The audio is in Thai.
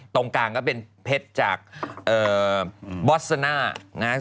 ตรงกลางก็เป็นเพชรจากบอสซานะ